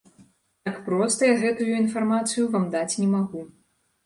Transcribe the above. Так проста я гэтую інфармацыю вам даць не магу.